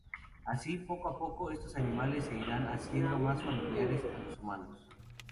Así, poco a poco, estos animales se irán haciendo más familiares a los humanos.